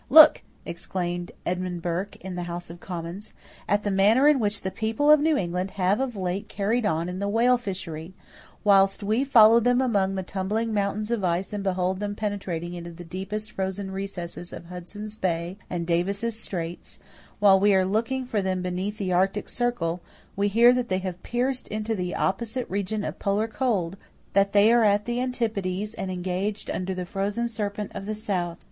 "Look," exclaimed Edmund Burke, in the House of Commons, "at the manner in which the people of New England have of late carried on the whale fishery. Whilst we follow them among the tumbling mountains of ice and behold them penetrating into the deepest frozen recesses of Hudson's Bay and Davis's Straits, while we are looking for them beneath the arctic circle, we hear that they have pierced into the opposite region of polar cold, that they are at the antipodes and engaged under the frozen serpent of the south....